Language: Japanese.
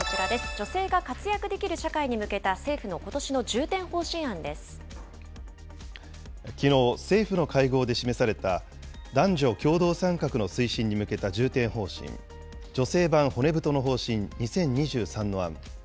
女性が活躍できる社会に向けた政きのう政府の会合で示された、男女共同参画の推進に向けた重点方針、女性版骨太の方針２０２３の案。